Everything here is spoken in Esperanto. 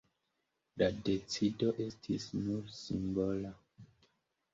La decido estis nur simbola.